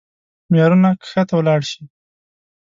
معيارونه کښته ولاړ شي.